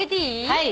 はい。